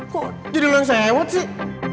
kok jadi lo yang sewot sih